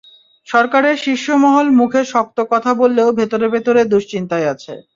সরকারের শীর্ষ মহল মুখে শক্ত কথা বললেও ভেতরে ভেতরে দুশ্চিন্তায় আছে।